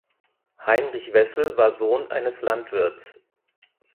Heinrich Wessel war Sohn eines Landwirts.